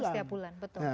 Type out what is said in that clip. setiap bulan betul